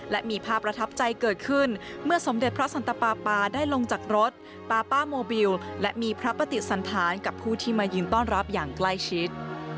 และมีพระปฏิสันฐานกับผู้ที่มายิงต้อนรับอย่างใกล้ชิด